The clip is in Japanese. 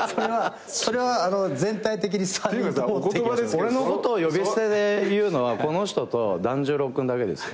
俺のことを呼び捨てで言うのはこの人と團十郎君だけですよ。